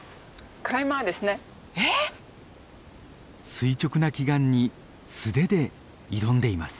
垂直な奇岩に素手で挑んでいます。